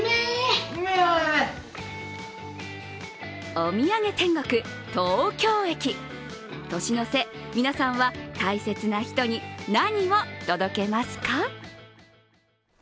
お土産天国・東京駅、年の瀬皆さんは大切な人に何を届けますか？